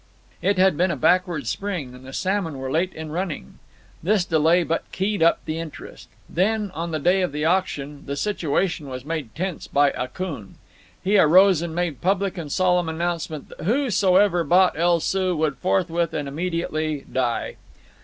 It had been a backward spring, and the salmon were late in running. This delay but keyed up the interest. Then, on the day of the auction, the situation was made tense by Akoon. He arose and made public and solemn announcement that whosoever bought El Soo would forthwith and immediately die.